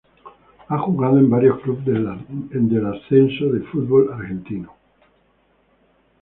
Ha jugado en varios clubes del Ascenso del Fútbol Argentino.